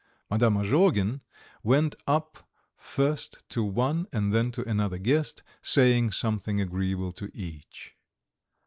Madame Azhogin went up first to one and then to another guest, saying something agreeable to each.